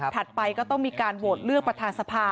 ถัดไปก็ต้องมีการโหลกเลยกันปานทางสภา